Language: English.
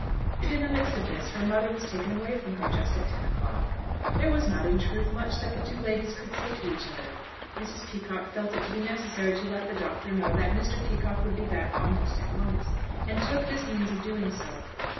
And in the midst of this her mother was taken away from her, just at ten o'clock. There was not, in truth, much that the two ladies could say to each other. Mrs. Peacocke felt it to be necessary to let the Doctor know that Mr. Peacocke would be back almost at once, and took this means of doing so.